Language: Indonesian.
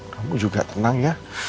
kamu juga tenang ya